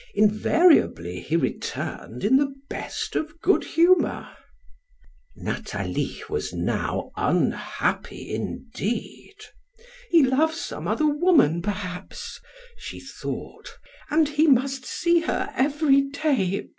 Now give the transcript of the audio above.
Invariably he returned in the best of good humor. Nathalie was now unhappy indeed. "He loves some other woman, perhaps," she thought, "and he must see her every day.